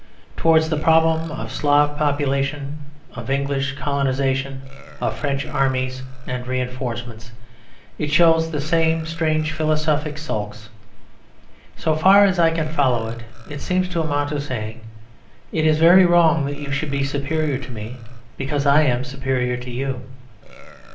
Towards the problem of Slav population, of English colonisation, of French armies and reinforcements, it shows the same strange philosophic sulks. So far as I can follow it, it seems to amount to saying "It is very wrong that you should be superior to me, because I am superior to you."